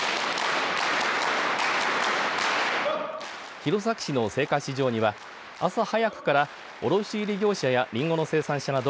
弘前市の青果市場には朝早くから卸売業者やりんごの生産者など